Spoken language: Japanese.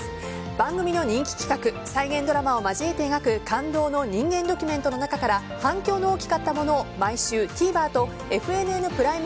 番組の人気企画再現ドラマを交えて描く感動の人間ドキュメントの中から反響の大きかったものを毎週、ＴＶｅｒとＦＮＮプライム